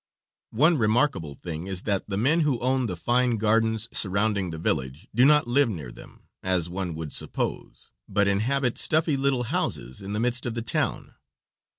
One remarkable thing is, that the men who own the fine gardens surrounding the village do not live near them, as one would suppose, but inhabit stuffy little houses in the midst of the town.